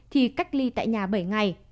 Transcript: thì cách ly tại nhà bảy ngày